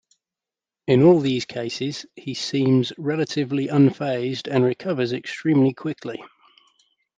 In all these cases, he seems relatively unfazed and recovers extremely quickly.